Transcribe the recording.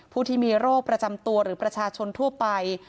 ผู้ที่มีโรคประจำตัวหรือประชาชนทั่วไป